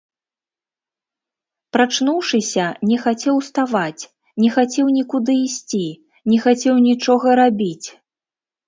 Прачнуўшыся, не хацеў уставаць, не хацеў нікуды ісці, не хацеў нічога рабіць.